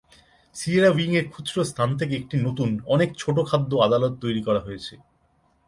Sierra উইংয়ের খুচরো স্থান থেকে একটি নতুন, অনেক ছোট খাদ্য আদালত তৈরি করা হয়েছে।